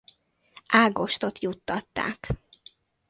Ágostot juttatták.